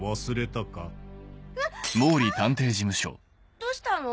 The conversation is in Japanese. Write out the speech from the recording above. どうしたの？